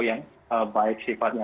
yang baik sifatnya